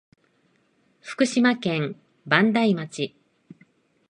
福島県磐梯町